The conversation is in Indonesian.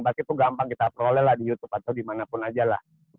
pasti tuh gampang kita proleh lah di youtube atau dimanapun aja lah